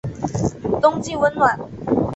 冬季温暖。